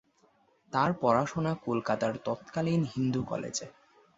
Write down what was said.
তার পড়াশোনা কলকাতার তৎকালীন হিন্দু কলেজে।